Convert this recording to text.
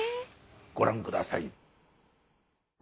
ご覧下さい。